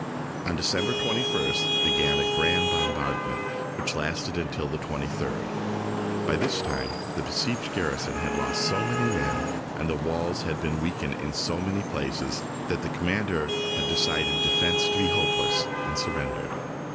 On December 21st began a grand bombardment, which lasted until the 23d. By this time the be sieged garrison had lost so many men, and the walls had been weakened in so many places, that THE SIEGE OF ANTWERP the commander had decided defence to be hopeless, and surrendered.